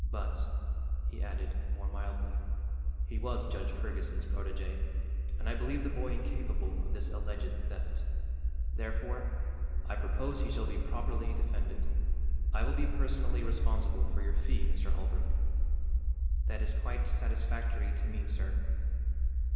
"But," he added, more mildly, "he was Judge Ferguson's protegè and I believe the boy incapable of this alleged theft. Therefore I propose he shall be properly defended. I will be personally responsible for your fee, Mr. Holbrook." "That is quite satisfactory to me, sir."